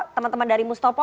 teman teman dari mustafa